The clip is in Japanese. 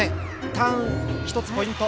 ターンも１つ、ポイント。